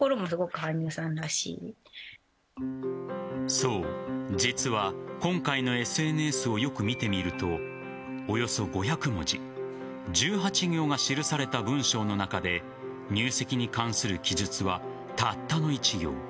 そう、実は今回のＳＮＳをよく見てみるとおよそ５００文字１８行が記された文章の中で入籍に関する記述はたったの１行。